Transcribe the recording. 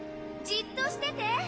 じっとしてて。